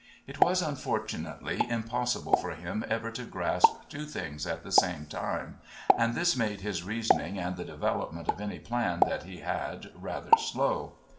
It was unfortunately impossible for him ever to grasp two things at the same time, and this made his reasoning and the development of any plan that he had rather slow.